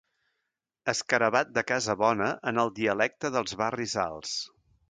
Escarabat de casa bona en el dialecte dels barris alts.